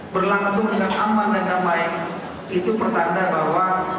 berlangsung dengan aman dan damai itu pertanda bahwa